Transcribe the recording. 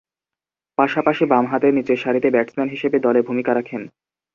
পাশাপাশি বামহাতে নিচের সারির ব্যাটসম্যান হিসেবে দলে ভূমিকা রাখেন।